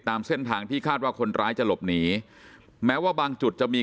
ตามเส้นทางที่คาดว่าคนร้ายจะหลบหนีแม้ว่าบางจุดจะมี